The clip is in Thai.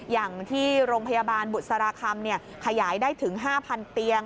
อย่างที่โรงพยาบาลบุษราคำขยายได้ถึง๕๐๐เตียง